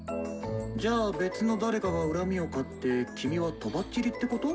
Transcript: じゃあ別の誰かが恨みを買って君はとばっちりってこと？